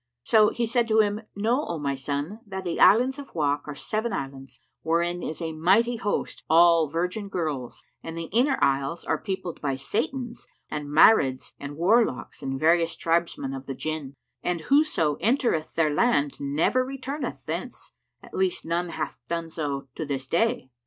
So he said to him, "Know, O my son, that the Islands of Wak are seven islands, wherein is a mighty host, all virgin girls, and the Inner Isles are peopled by Satans and Marids and warlocks and various tribesmen of the Jinn; and whoso entereth their land never returneth thence; at least none hath done so to this day.